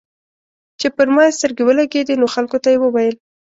چې پر ما يې سترګې ولګېدې نو خلکو ته یې وويل.